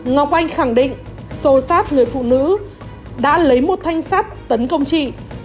ngọc anh khẳng định xô xáp người phụ nữ đã lấy một thanh sắt tấn công trị